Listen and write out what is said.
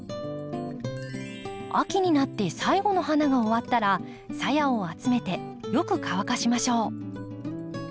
秋になって最後の花が終わったらさやを集めてよく乾かしましょう。